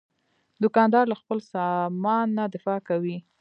دوکاندار له خپل سامان نه دفاع کوي.